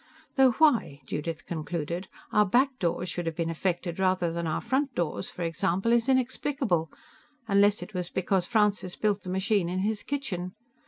"Though why," Judith concluded, "our back doors should have been affected rather than our front doors, for example, is inexplicable unless it was because Francis built the machine in his kitchen.